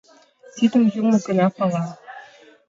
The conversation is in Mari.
— Тидым Юмо гына пала.